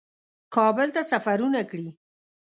کابل ته سفرونه کړي